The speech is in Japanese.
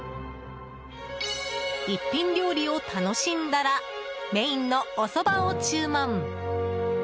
一品料理を楽しんだらメインのおそばを注文。